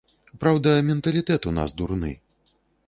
Праўда, менталітэт у нас дурны.